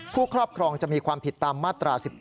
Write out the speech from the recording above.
ครอบครองจะมีความผิดตามมาตรา๑๗